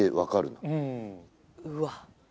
うわっ！